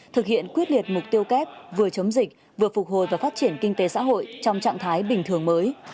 thực hiện quyết liệt mục tiêu kép vừa chống dịch vừa phục hồi và phát triển kinh tế xã hội trong trạng thái bình thường mới